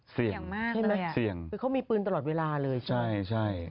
เสี่ยงมากเลยอ่ะเสี่ยงใช่ไหมคือเขามีปืนตลอดเวลาเลยใช่ไหมใช่